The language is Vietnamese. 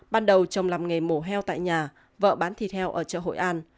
ban đầu chồng làm nghề mổ heo tại nhà vợ bán thịt heo ở chợ hội an